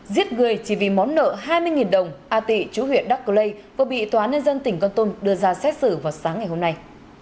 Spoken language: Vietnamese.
giết người chỉ vì món nợ hai mươi đồng a tị chú huyện đắc cơ lây vừa bị tòa án nhân dân tỉnh con tôn đưa ra xét xử vào sáng ngày hôm nay